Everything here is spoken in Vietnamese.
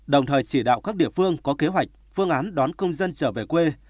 đồng thời chỉ đạo các địa phương có kế hoạch phương án đón công dân trở về quê